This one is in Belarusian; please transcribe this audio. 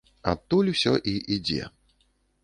Адтуль усё і ідзе.